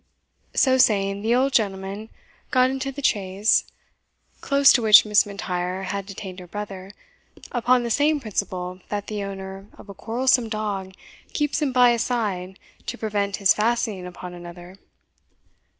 So saying, the old gentleman got into the chaise, close to which Miss M'Intyre had detained her brother, upon the same principle that the owner of a quarrelsome dog keeps him by his side to prevent his fastening upon another.